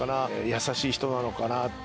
優しい人なのかな。